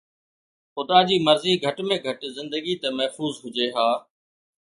خدا جي مرضي، گهٽ ۾ گهٽ زندگي ته محفوظ هجي ها.